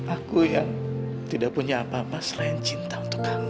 aku yang tidak punya apa apa selain cinta untuk kamu